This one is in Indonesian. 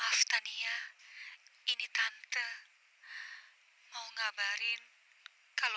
aku udah ada belakangan